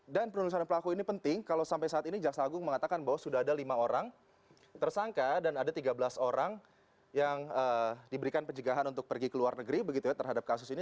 dan penelusuran pelaku ini penting kalau sampai saat ini jaksa agung mengatakan bahwa sudah ada lima orang tersangka dan ada tiga belas orang yang diberikan penjagaan untuk pergi ke luar negeri begitu ya terhadap kasus ini